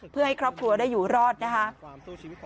เพื่อให้ครอบครัวได้อยู่รอดนะครับ